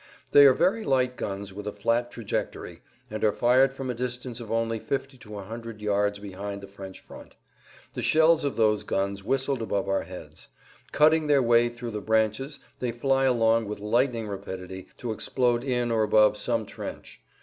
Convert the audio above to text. They are very light guns with a flat trajectory, and are fired from a distance of only 50 100 yards behind the French front. The shells of those guns whistled above our heads. Cutting their way through the branches they fly along with lightning rapidity to explode in or above some trench.